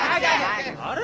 あれ？